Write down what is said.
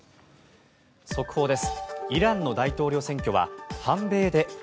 速報です。